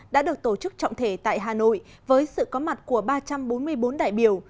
đã được tổ chức trọng thể tại hà nội với sự có mặt của ba trăm bốn mươi bốn đại biểu